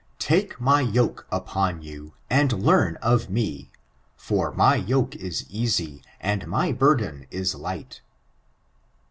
Take my yoke upon you, and learn of me for my yoke is easy, and my burden is light.'